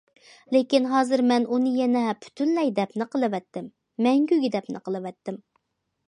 لېكىن ھازىر مەن ئۇنى يەنە پۈتۈنلەي دەپنە قىلىۋەتتىم، مەڭگۈگە دەپنە قىلىۋەتتىم.